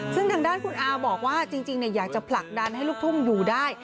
ซึ่งทางด้านคุณอาบอกว่าจริงอยากจะผลักดันให้ลูกทุ่งอยู่ได้